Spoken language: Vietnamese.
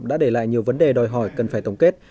đã để lại nhiều vấn đề đòi hỏi cần phải tổng kết